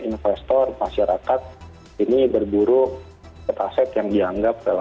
itu secara mengenai keuntungan perdagangan says prince